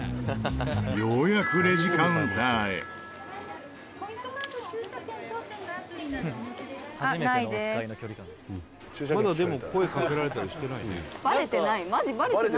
ようやくレジカウンターへ伊達：まだ、でも声かけられたりしてないね。